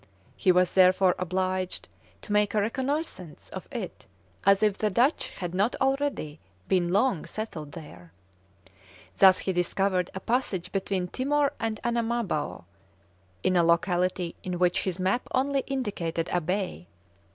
He was therefore obliged to make a reconnaissance of it, as if the Dutch had not already been long settled there. Thus he discovered a passage between Timor and Anamabao, in a locality in which his map only indicated a bay.